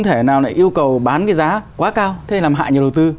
thế thì làm hại nhà đầu tư